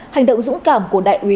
hành động dũng cảm của đại úy